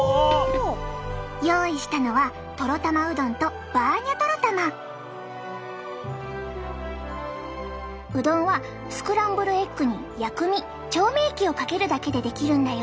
用意したのはうどんはスクランブルエッグに薬味・調味液をかけるだけで出来るんだよ。